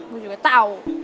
lu juga tau